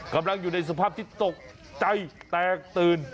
กำลังอยู่ในสภาพที่ตกใจแตกตื่น